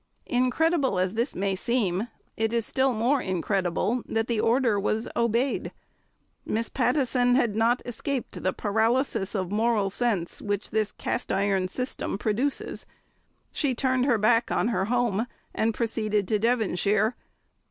Incredible as this may seem, it is still more incredible that the order was obeyed. Miss Pattison had not escaped the paralysis of moral sense which this cast iron system produces; she turned her back on her home and proceeded to Devonshire.